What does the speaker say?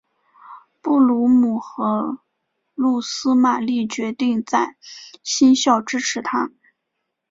布卢姆和露丝玛丽决定在新校支持他。